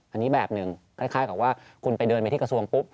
อันนี้แบบหนึ่งคล้ายกับว่าคุณไปเดินไปที่กระทรวงปุ๊บ